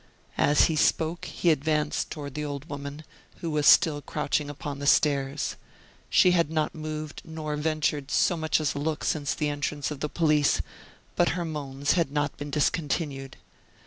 As he spoke, he advanced toward the old woman, who was still crouching upon the stairs. She had not moved nor ventured so much as a look since the entrance of the police, but her moans had not been discontinued.